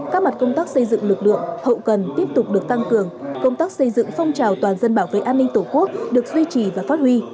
các mặt công tác xây dựng lực lượng hậu cần tiếp tục được tăng cường công tác xây dựng phong trào toàn dân bảo vệ an ninh tổ quốc được duy trì và phát huy